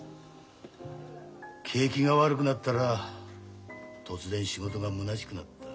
景気が悪くなったら突然仕事がむなしくなった。